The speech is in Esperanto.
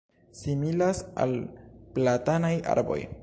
similas al platanaj arboj